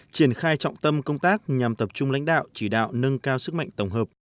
triển khai trọng tâm công tác nhằm tập trung lãnh đạo chỉ đạo nâng cao sức mạnh tổng hợp